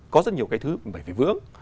có rất nhiều cái thứ mình phải vướng